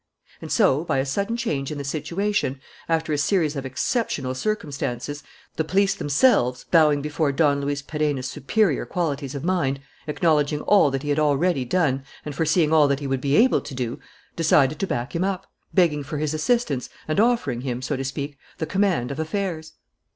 And so, by a sudden change in the situation, after a series of exceptional circumstances, the police themselves, bowing before Don Luis Perenna's superior qualities of mind, acknowledging all that he had already done and foreseeing all that he would be able to do, decided to back him up, begging for his assistance, and offering him, so to speak, the command of affairs.